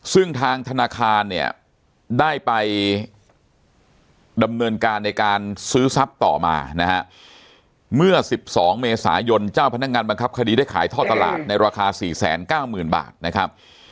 ซึ่งทางธนาคารเนี่ยได้ไปดำเนินการในการซื้อทรัพย์ต่อมานะฮะเมื่อ๑๒เมษายนเจ้าพนักงานบังคับคดีได้ขายท่อตลาดในราคา๔๙๐๐๐บาทนะครับ